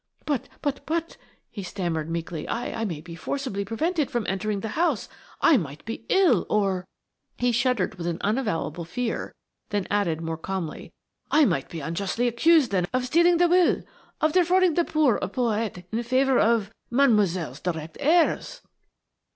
"But–but–but–" he stammered meekly, "I may be forcibly prevented from entering the house–I might be ill or–" He shuddered with an unavowable fear, then added more calmly: "I might be unjustly accused then of stealing the will–of defrauding the poor of Porhoët in favour of–Mademoiselle's direct heirs."